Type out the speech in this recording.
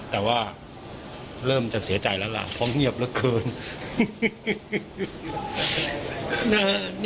แต่ว่าเริ่มจะเสียใจแล้วล่ะเพราะเงียบเหลือเกิน